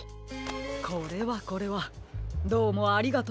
これはこれはどうもありがとうございます。